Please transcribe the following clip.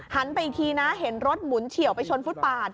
ไปอีกทีนะเห็นรถหมุนเฉียวไปชนฟุตปาด